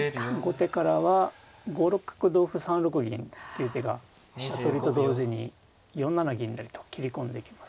後手からは５六角同歩３六銀っていう手が飛車取りと同時に４七銀成と斬り込んでいきます。